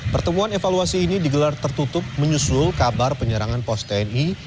pertemuan evaluasi ini digelar tertutup menyusul kabar penyerangan pos tni